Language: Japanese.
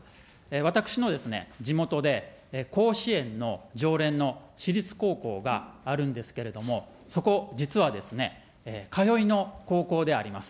私のですね、地元で、甲子園の常連の私立高校があるんですけれども、そこ、実はですね、通いの高校であります。